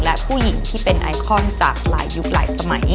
และผู้หญิงที่เป็นไอคอนจากหลายยุคหลายสมัย